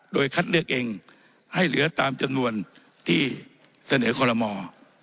โดยคัดเลือกเองให้เหลือตามจำนวนที่เสนอคอลโลมอร์